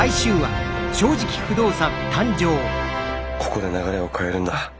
ここで流れを変えるんだ。